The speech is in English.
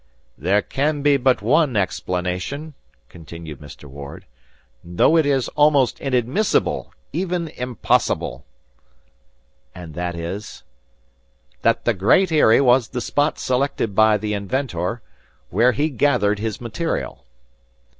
"There can be but one explanation," continued Mr. Ward, "though it is almost inadmissible, even impossible." "And that is?" "That the Great Eyrie was the spot selected by the inventor, where he gathered his material."